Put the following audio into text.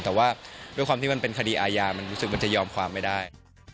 แต่ว่าด้วยความที่มันเป็นคดีอาญามันรู้สึกมันจะยอมความไม่ได้